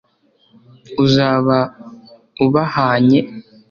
uzaba ubahannye